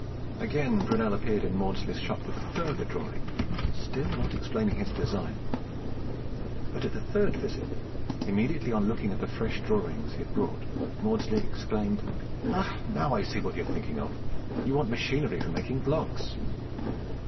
Again Brunel appeared at Maudslay's shop with a further drawing, still not explaining his design; but at the third visit, immediately on looking at the fresh drawings he had brought, Maudslay exclaimed, "Ah! now I see what you are thinking of; you want machinery for making blocks."